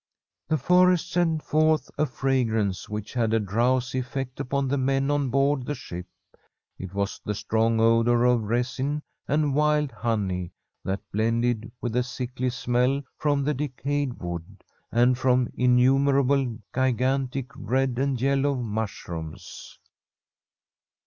The forest sent forth a fragrance which had a drowsy effect upon the men on board the ship. It was the strong odour of resin and wild honey that blended with the sickly smell from the decayed wood, and from innumerable gigan tic red and yellow mushrooms.